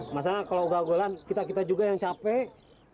masalah kalau gua gulan kita juga yang capek